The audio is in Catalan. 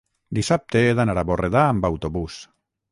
dissabte he d'anar a Borredà amb autobús.